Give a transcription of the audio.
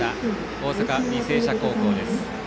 大阪、履正社高校です。